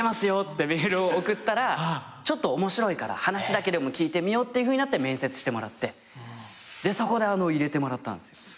よってメールを送ったらちょっと面白いから話だけでも聞いてみようってなって面接してもらってそこで入れてもらったんすよ。